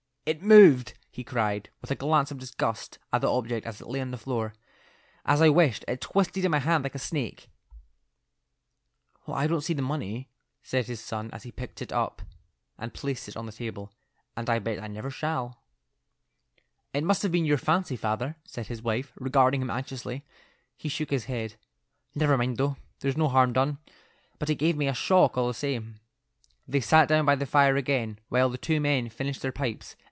"It moved," he cried, with a glance of disgust at the object as it lay on the floor. "As I wished, it twisted in my hand like a snake." "Well, I don't see the money," said his son as he picked it up and placed it on the table, "and I bet I never shall." "It must have been your fancy, father," said his wife, regarding him anxiously. He shook his head. "Never mind, though; there's no harm done, but it gave me a shock all the same." They sat down by the fire again while the two men finished their pipes.